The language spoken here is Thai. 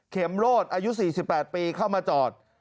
เข็มโลศ์อายุ๔๘ปีเข้ามาจอด